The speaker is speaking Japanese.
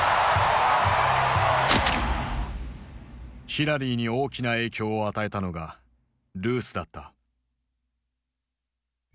ヒラリーに大きな影響を与えたのがルースだった。